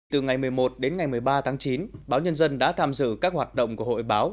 từ ngày một mươi một đến ngày một mươi ba tháng chín báo nhân dân đã tham dự các hoạt động của hội báo